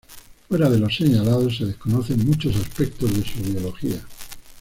Fuera de lo señalado se desconocen muchos aspectos de su biología.